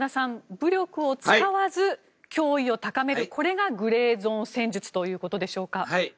武力を使わず脅威を高めるこれがグレーゾーン戦術ということでしょうか。